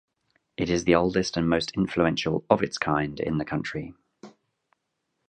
It is the oldest and most influential of its kind in the country.